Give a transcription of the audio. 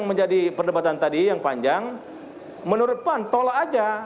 menurut pan tolak aja